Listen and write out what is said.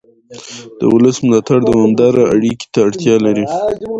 د ولس ملاتړ دوامداره اړیکې ته اړتیا لري